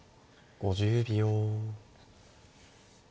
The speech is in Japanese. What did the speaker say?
５０秒。